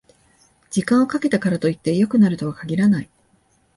時間をかけたからといって良くなるとは限らない